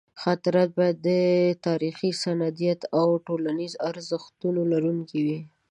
خاطرات باید د تاریخي سندیت او ټولنیز ارزښت لرونکي وي.